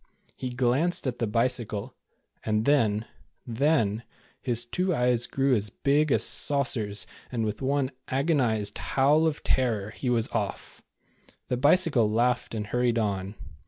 He glanced at the Bicycle, and then — then — his two eyes grew as big as saucers and with one agonized howl of terror, he was off. The Bicycle laughed and hurried on.